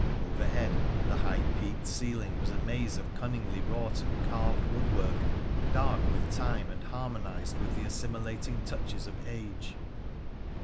Overhead the high peaked ceiling was a maze of cunningly wrought and carved woodwork, dark with time and harmonised with the assimilating touches of age.